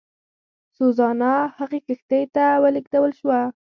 سوزانا هغې کښتۍ ته ولېږدول شوه.